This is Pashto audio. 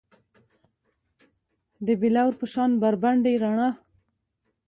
د بیلور په شان بربنډې رڼا